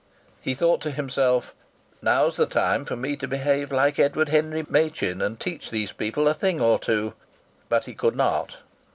He thought to himself: "Now's the time for me to behave like Edward Henry Machin, and teach these people a thing or two!" But he could not.